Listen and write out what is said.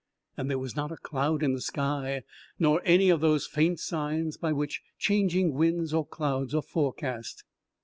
And there was not a cloud in the sky, nor any of those faint signs by which changing winds or clouds are forecast.